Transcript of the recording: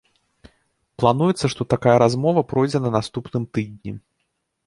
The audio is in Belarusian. Плануецца, што такая размова пройдзе на наступным тыдні.